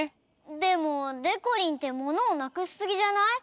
でもでこりんってものをなくしすぎじゃない？